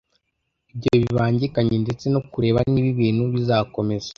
ibyo bibangikanye ndetse no kureba niba ibintu bizakomeza